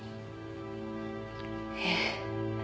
ええ。